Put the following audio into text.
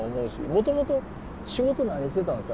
もともと仕事何してたんですか？